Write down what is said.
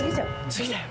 次だよ。